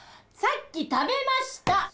さっき食べました！